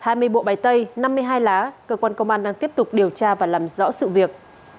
năm mươi hai lá cơ quan công an đang tiếp tục điều tra và làm rõ sự việc